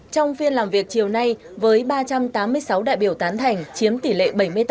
trong phiên làm việc chiều nay với ba trăm tám mươi sáu đại biểu tán thành chiếm tỷ lệ bảy mươi tám một mươi bốn